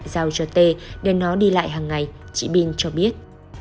giao cho tê để nó đi lại hàng ngày chị binh cho biết